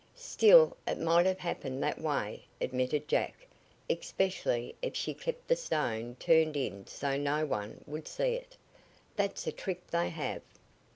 "Still, it might have happened that way," admitted Jack, "especially if she kept the stone turned in so no one, would see it. That's a trick they have."